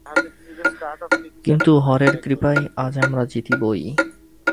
কিন্তু হরের কৃপায় আজ আমরা জিতিবই।